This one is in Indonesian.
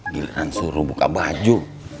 giliran suruh buka baju